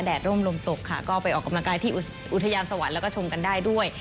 ร่มลมตกค่ะก็ไปออกกำลังกายที่อุทยานสวรรค์แล้วก็ชมกันได้ด้วย